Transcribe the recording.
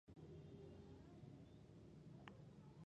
ما غوښتل د تسلۍ لپاره د هغې په مټ لاس کېږدم